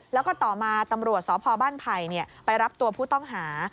แล้วก็ต่อมาตำรวจสพบ้านไผ่ไปรับตัวผู้ต้องหา